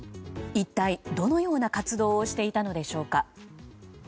一体どのような活動をしていたのでしょうか。